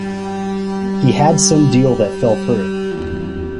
He had some deal that fell through.